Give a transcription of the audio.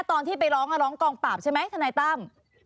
ตอนที่ไปร้องร้องกองปราบใช่ไหมทนายตั้ม